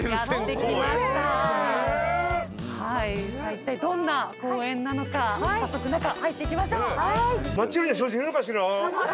いったいどんな公園なのか早速中入っていきましょう。